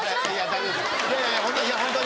いやいやいやホントに。